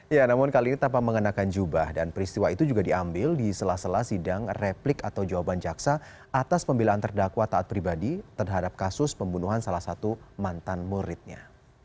ya namun kali ini tanpa mengenakan jubah dan peristiwa itu juga diambil di sela sela sidang replik atau jawaban jaksa atas pembelaan terdakwa taat pribadi terhadap kasus pembunuhan salah satu mantan muridnya